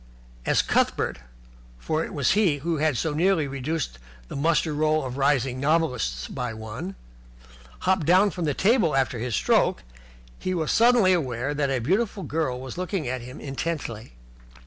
As Cuthbert, for it was he who had so nearly reduced the muster roll of rising novelists by one, hopped down from the table after his stroke, he was suddenly aware that a beautiful girl was looking at him intently.